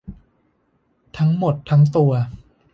ทั้งหมดทั้งตัว